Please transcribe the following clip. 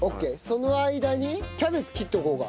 その間にキャベツ切っとこうか。